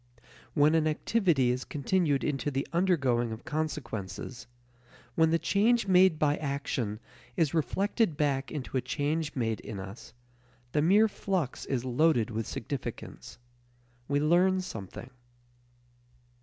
When an activity is continued into the undergoing of consequences, when the change made by action is reflected back into a change made in us, the mere flux is loaded with significance. We learn something.